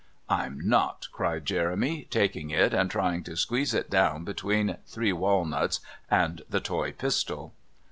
"I'm not!" cried Jeremy, taking it and trying to squeeze it down between three walnuts and the toy pistol.